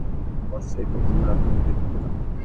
বস, এই প্রথমবার আপনাকে দেখতে পেলাম।